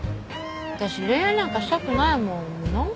私恋愛なんかしたくないもん。